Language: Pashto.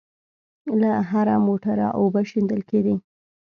له هره موټره اوبه شېندل کېدې.